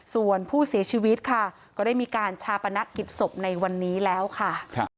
ส่วนผู้เสียชีวิตค่ะก็ได้มีการชาปนกิจศพในวันนี้แล้วค่ะ